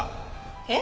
えっ？